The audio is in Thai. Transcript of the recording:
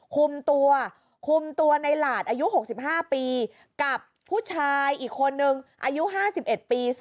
คุมตัวคุมตัวในหลาดอายุ๖๕ปีกับผู้ชายอีกคนนึงอายุ๕๑ปี